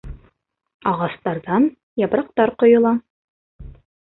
Ағастарҙан япраҡтар ҡойола.